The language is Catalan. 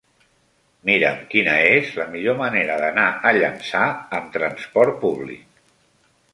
Mira'm quina és la millor manera d'anar a Llançà amb trasport públic.